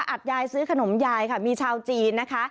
อัดยายซื้อขนมยายค่ะมีชาวจีนนะคะ